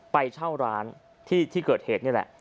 ไปเช่าร้านที่เกิดเหตุนี่แหละ